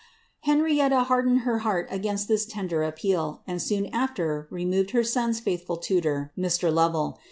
Henrietta hardened her heart against this tender appeal, and soon after removed her son's faithful tutor, Mr. Lovel.